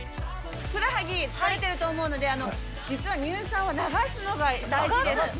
ふくらはぎ疲れていると思うので、実は乳酸は流すのが大事です。